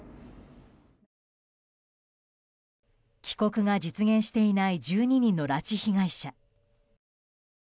帰国が実現していない１２人の拉致被害者。